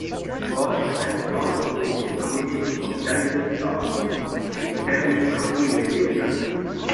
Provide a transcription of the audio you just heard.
Burch was born near the community of Dyer's Store in Henry County, Virginia.